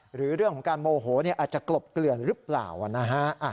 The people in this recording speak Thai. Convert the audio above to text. หรือเรื่องของการโมโหอาจจะกลบเกลื่อนหรือเปล่านะฮะ